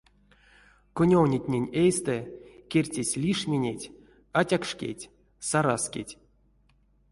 Конёвнетнень эйстэ керсесь лишминеть, атякшкеть, саразкеть.